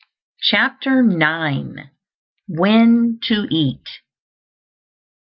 CHAPTER IX. WHEN TO EAT.